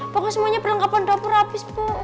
pokoknya semuanya perlengkapan dapur habis bu